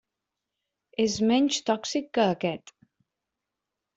És menys tòxic que aquest.